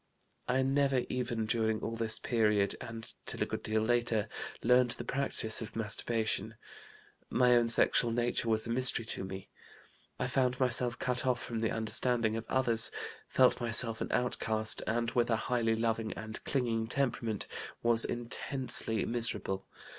I never even, during all this period, and till a good deal later, learned the practice of masturbation. My own sexual nature was a mystery to me. I found myself cut off from the understanding of others, felt myself an outcast, and, with a highly loving and clinging temperament, was intensely miserable.